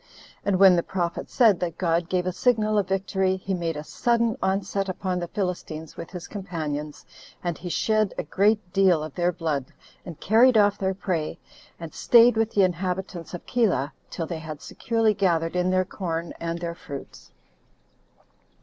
And when the prophet said that God gave a signal of victory, he made a sudden onset upon the Philistines with his companions, and he shed a great deal of their blood, and carried off their prey, and staid with the inhabitants of Keilah till they had securely gathered in their corn and their fruits.